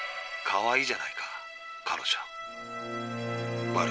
かわいいじゃないか彼女。